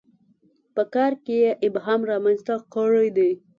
په کار کې یې ابهام رامنځته کړی دی.